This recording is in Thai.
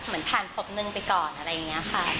เหมือนผ่านครบหนึ่งไปก่อนอะไรอย่างนี้ค่ะ